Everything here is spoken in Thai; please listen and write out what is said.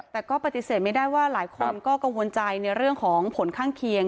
แต่ก็ปฏิเสธไม่ได้ว่าหลายคนก็กังวลใจในเรื่องของผลข้างเคียง